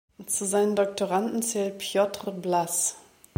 Zu seinen Doktoranden zählt Pjotr Blass.